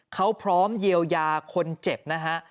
เขาพร้อมเยียวยาคนเจ็บนะฮะ